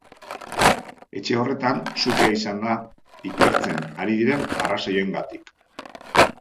Etxe horretan sutea izan da, ikertzen ari diren arrazoiengatik.